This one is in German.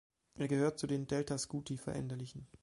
Er gehört zu den Delta-Scuti-Veränderlichen.